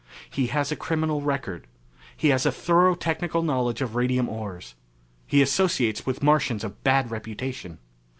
He has a criminal record. He has a thorough technical knowledge of radium ores. He associates with Martians of bad reputation.